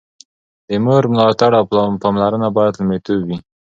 د مور ملاتړ او پاملرنه باید لومړیتوب وي.